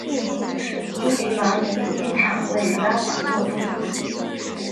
苏吉马努鲁机场位于拉瓦若东部。